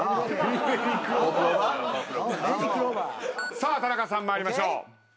さあ田中さん参りましょう。